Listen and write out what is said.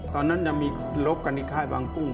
ตอนนั้นยังมีลบกันในค่ายบางกุ้ง